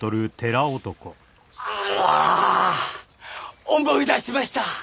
ああ思い出しました！